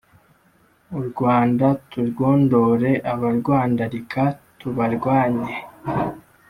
U Rwanda turwondore abarwandarika tubarwanye